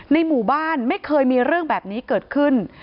ในหมู่บ้านไม่เคยมีเรื่องแบบนี้เกิดขึ้น